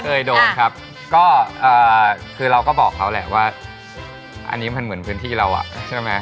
เคยโดนครับก็คือเราก็บอกเขาแหละว่าอันนี้มันเหมือนพื้นที่เราอ่ะใช่ไหม